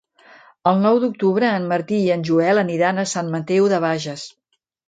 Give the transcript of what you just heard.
El nou d'octubre en Martí i en Joel aniran a Sant Mateu de Bages.